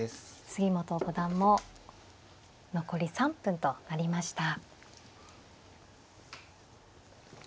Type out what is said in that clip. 杉本五段も残り３分となりました。